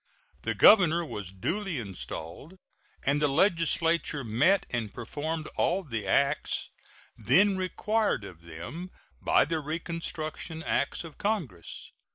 The governor was duly installed, and the legislature met and performed all the acts then required of them by the reconstruction acts of Congress.